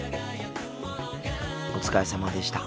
お疲れさまでした。